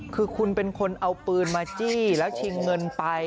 คือคุณเป็นคนเอาปืนมาจี้แล้วชิงเงินไป